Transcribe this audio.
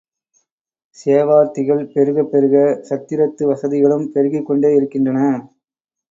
சேவார்த்திகள் பெருகப்பெருக சத்திரத்து வசதிகளும் பெருகிக் கொண்டே இருக்கின்றன.